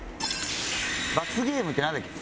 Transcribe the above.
罰ゲームってなんだっけ？